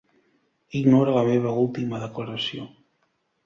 Ignora la meva última declaració.